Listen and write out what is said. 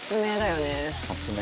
「発明！」